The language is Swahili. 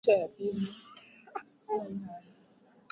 Mara tu ukiniona uniite.